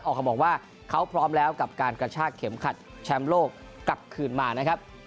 ออกมามองว่าเขาพร้อมแล้วกับการกระชากเข็มขัดแชมป์โลกกลับคืนมานะครับ